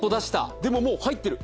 でももう入ってる。